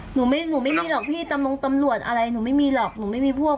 หนูไม่มีหรอกพี่ตำรวจอะไรหนูไม่มีหรอกหนูไม่มีพวก